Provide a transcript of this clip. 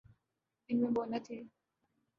ان میں وہ نہ تھی۔